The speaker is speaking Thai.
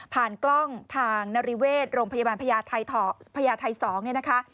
กล้องทางนริเวชโรงพยาบาลพญาไทย๒เนี่ยนะคะ